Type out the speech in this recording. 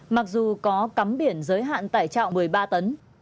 mặc dù có cắm biển giới hạn tải trọng một mươi ba tấn